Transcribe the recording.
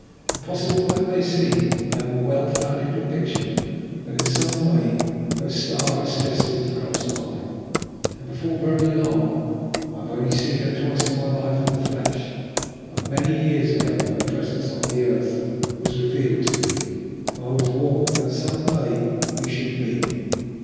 Impossible though it may seem, I have a well founded conviction that in some way her star is destined to cross mine, and before very long. I have only seen her twice in my life in the flesh; but many years ago her presence on the earth was revealed to me, and I was warned that some day we should meet.